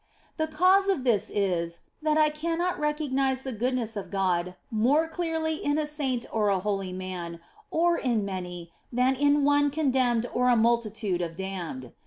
The cause of this is, that I cannot recognise the goodness of God more clearly in a saint or a holy man, or in many, than in one condemned or a multitude of damned.